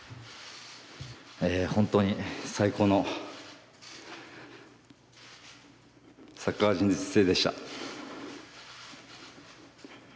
本当に最高のサッカー人生でした。